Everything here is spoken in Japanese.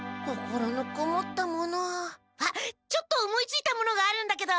あっちょっと思いついたものがあるんだけど。